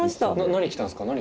何来たんですか？